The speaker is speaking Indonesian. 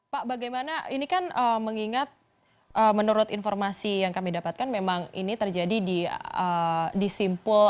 pak bagaimana ini kan mengingat menurut informasi yang kami dapatkan memang ini terjadi di simpul